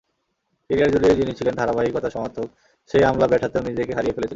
ক্যারিয়ারজুড়েই যিনি ছিলেন ধারাবাহিকতার সমার্থক, সেই আমলা ব্যাট হাতেও নিজেকে হারিয়ে ফেলেছিলেন।